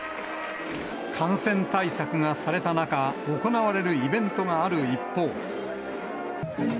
感染対策がされた中、行われるイベントがある一方。